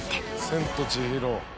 『千と千尋』。